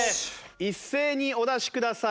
一斉にお出しください。